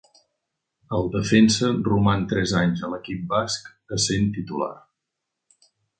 El defensa roman tres anys a l'equip basc, essent titular.